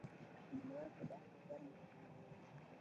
نیمروز د دښتې ګرمه سیمه ده